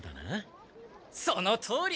そのとおり。